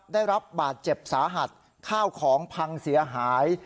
ได้รับบาดเจ็บสาหัสข้าวของพังเสียหาย